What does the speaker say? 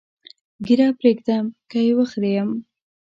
ږیره پرېږدم که یې وخریم؟